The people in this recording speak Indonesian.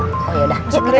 oh ya udah